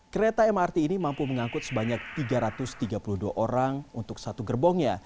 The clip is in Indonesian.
kereta mrt ini mampu mengangkut sebanyak tiga ratus tiga puluh dua orang untuk satu gerbongnya